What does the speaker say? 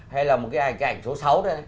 hay là một cái ảnh số sáu đây